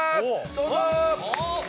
どうぞ！